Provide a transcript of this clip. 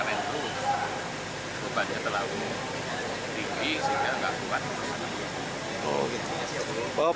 tapi mungkin pada kemarin itu bebannya terlalu tinggi sehingga gak kuat